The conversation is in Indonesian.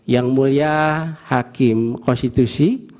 yang mulia hakim konstitusi